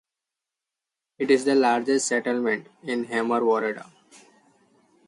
It is the largest settlement in Hamer woreda.